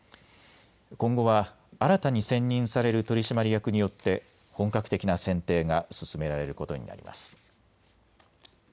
今後は新たに選任される取締役によって本格的な選定が進められることになります。